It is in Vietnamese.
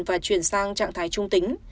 và chuyển sang trạng thái trung tính